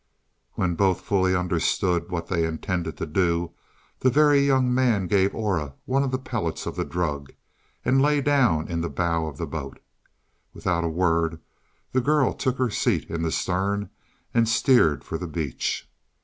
When both fully understood what they intended to do, the Very Young Man gave Aura one of the pellets of the drug and lay down in the bow of the boat. Without a word the girl took her seat in the stern and steered for the beach.